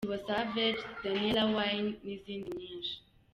Tiwa Savage’, ‘Daniella Whine’ n’izindi nyinshi.